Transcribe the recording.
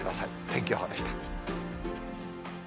天気予報でした。